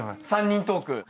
３人トーク。